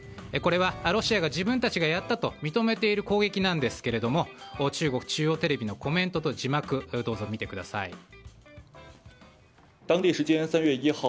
これは、ロシアが自分たちがやったと認めている攻撃ですが中国中央テレビのコメントと字幕をどうぞ見てください。